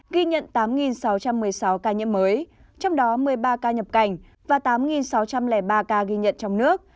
ghi nhận tám sáu trăm một mươi sáu ca nhiễm mới trong đó một mươi ba ca nhập cảnh và tám sáu trăm linh ba ca ghi nhận trong nước